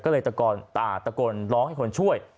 ก็เลยตะกอนตากลร้องให้คนช่วย